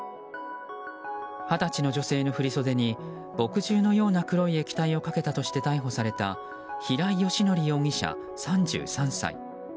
二十歳の女性の振り袖に墨汁のような黒い液体をかけたとして逮捕された平井英康容疑者、３３歳。